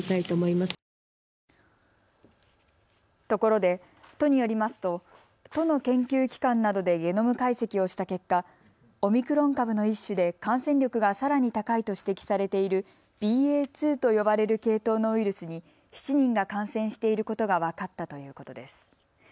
ところで、都によりますと都の研究機関などでゲノム解析をした結果、オミクロン株の一種で感染力がさらに高いと指摘されているＢＡ．２と呼ばれる系統のウイルスに７人が感染していることが分かったということです。